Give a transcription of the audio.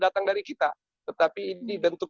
datang dari kita tetapi ini bentuk